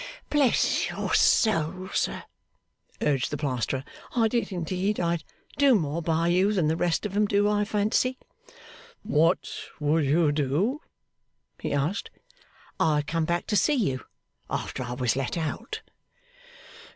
'Bless your soul, sir,' urged the Plasterer, 'I did indeed. I'd do more by you than the rest of 'em do, I fancy.' 'What would you do?' he asked. 'I'd come back to see you, after I was let out.